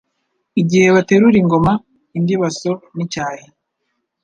igihe baterura ingoma. Indibaso n'icyahi